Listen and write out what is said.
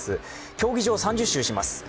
競技場３０周します。